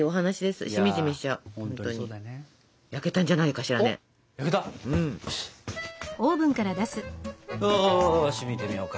よし見てみようか。